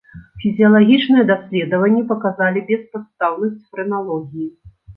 Фізіялагічныя даследаванні паказалі беспадстаўнасць фрэналогіі.